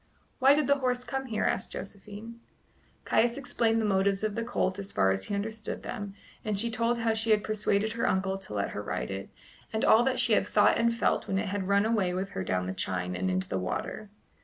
"Why did the horse come here?" asked Josephine. Caius explained the motives of the colt as far as he understood them; and she told how she had persuaded her uncle to let her ride it, and all that she had thought and felt when it had run away with her down the chine and into the water.